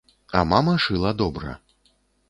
А мама шыла добра.